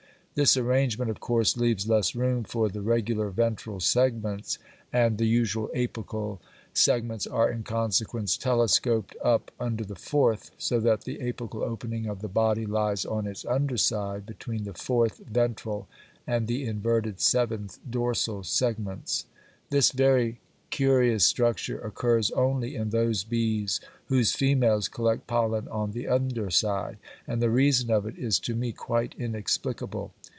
This arrangement of course leaves less room for the regular ventral segments, and the usual apical segments are in consequence "telescoped" up under the fourth, so that the apical opening of the body lies on its underside between the fourth ventral and the inverted seventh dorsal segments. This very curious structure occurs only in those bees whose females collect pollen on the underside, and the reason of it is to me quite inexplicable.